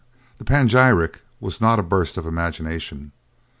The panegyric was not a burst of imagination.